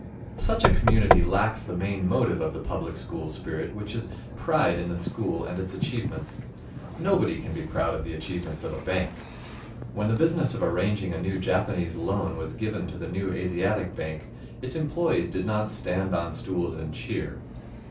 Such a community lacks the main motive of the public school spirit, which is pride in the school and its achievements. Nobody can be proud of the achievements of a bank. When the business of arranging a new Japanese loan was given to the New Asiatic Bank, its employees did not stand on stools, and cheer.